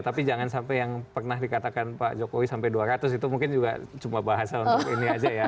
tapi jangan sampai yang pernah dikatakan pak jokowi sampai dua ratus itu mungkin juga cuma bahasa untuk ini aja ya